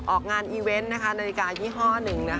ออกงานอีเวนต์ในตายอยี่ห้อนึง